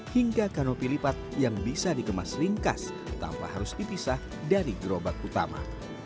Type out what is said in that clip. hingga kanopi lipat yang bisa dikemas ringkas tanpa harus dipisah dari gerobak utama